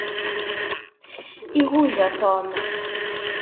Iguja Tom.